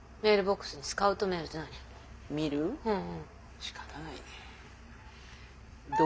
しかたないね。